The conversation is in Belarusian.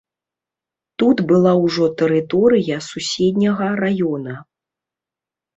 Тут была ўжо тэрыторыя суседняга раёна.